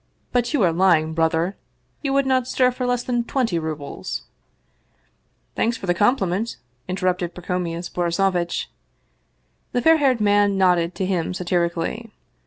But you are lying, brother! You would not stir for less than twenty rubles !"" Thanks for the compliment !" interrupted Pacomius Borisovitch. The fair haired man nodded to him satirically.